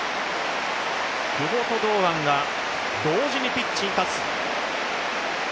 久保と堂安が同時にピッチに立つ。